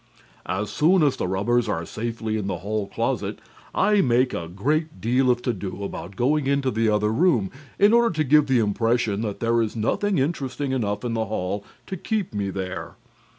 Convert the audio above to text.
"As soon as the rubbers are safely in the hall closet, I make a great deal of todo about going into the other room, in order to give the impression that there is nothing interesting enough in the hall to keep me there.